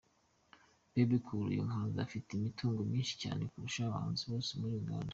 Bebe Cool: Uyu muhanzi afite imitungo myinshi cyane kurusha abahanzi bose muri Uganda.